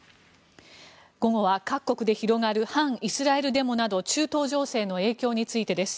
午後は各国で広がる反イスラエルデモなど中東情勢の影響についてです。